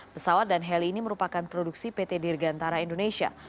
pesawat dan heli ini merupakan produksi pt dirgantara indonesia